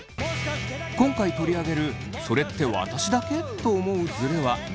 今回取り上げる「それって私だけ？」と思うズレは３つ。